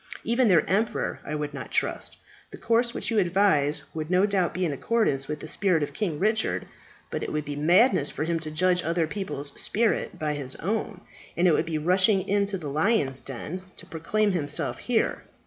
Even their emperor I would not trust. The course which you advise would no doubt be in accordance with the spirit of King Richard; but it would be madness for him to judge other people's spirit by his own, and it would be rushing into the lion's den to proclaim himself here.